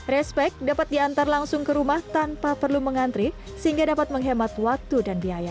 respect dapat diantar langsung ke rumah tanpa perlu mengantri sehingga dapat menghemat waktu dan biaya